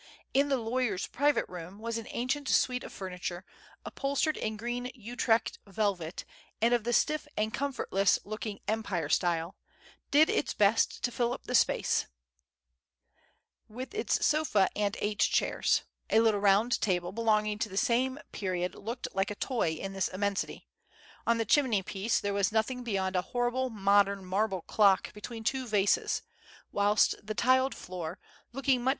In the lawyer's private room an ancient suite of furniture, upholstered in green Utrecht velvet, and of the stiff and comfortless looking Empire style, did its best to fill up the space, with its sofa and eight chairs ; a little round table, belonging to the same period, looked like a toy in this immensity ; on the chimney piece there was nothing beyond a horrible modern marble clock between two vases, whilst the tiled floor, looking much FREDERIC.